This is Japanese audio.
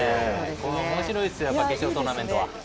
おもしろいですよね決勝トーナメントは。